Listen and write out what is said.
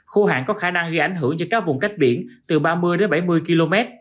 khu hạn có khả năng gây ảnh hưởng cho các vùng cách biển từ ba mươi bảy mươi km